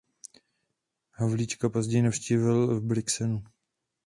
Havlíčka později navštívil v Brixenu.